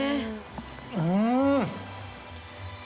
うん！